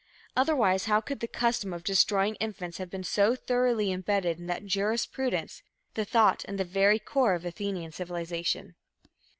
Otherwise, how could the custom of destroying infants have been so thoroughly embedded in the jurisprudence, the thought and the very core of Athenian civilization?